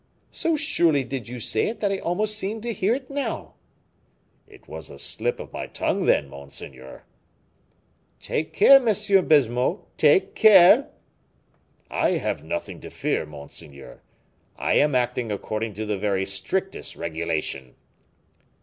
"So surely did you say it, that I almost seem to hear it now." "It was a slip of my tongue, then, monseigneur." "Take care, M. Baisemeaux, take care." "I have nothing to fear, monseigneur; I am acting according to the very strictest regulation."